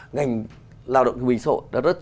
ngành lao động thương binh xã hội đã rất